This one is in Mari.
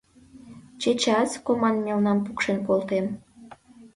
Чечас команмелнам пукшен колтем.